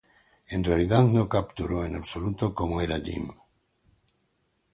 En realidad no capturó en absoluto cómo era Jim.